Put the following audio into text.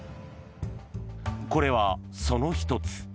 これは、その１つ。